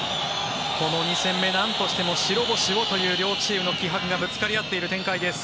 この２戦目、なんとしても白星をという両チームの気迫がぶつかり合っている展開です。